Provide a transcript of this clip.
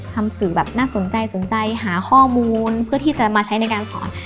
ทำสื่อแบบน่าสนใจสนใจหาข้อมูลเพื่อที่จะมาใช้ในการสอน